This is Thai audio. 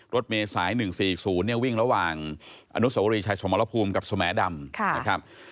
รถเมย์สาย๑๔๐วิ่งระหว่างอนุสวรีชายชมรภูมิกับสมแดม